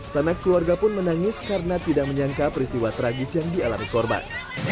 sanak keluarga pun menangis karena tidak menyangka peristiwa tragis yang dialami korban